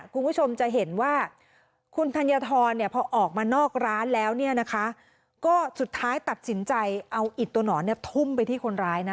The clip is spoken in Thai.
คุณผู้ชมจะเห็นว่าคุณธัญฑรเนี่ยพอออกมานอกร้านแล้วเนี่ยนะคะก็สุดท้ายตัดสินใจเอาอิดตัวหนอนเนี่ยทุ่มไปที่คนร้ายนะ